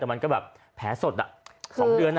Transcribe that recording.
แต่มันก็แบบแพ้สดอ่ะ๒เดือนน่ะ